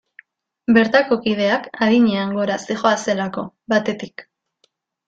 Bertako kideak adinean gora zihoazelako, batetik.